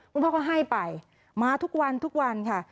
คุณพ่อก็ให้ไปมาทุกวันทุกวันค่ะ